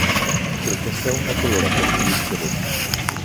Presenta una coloración gris celeste.